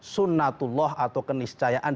sunnatullah atau keniscayaan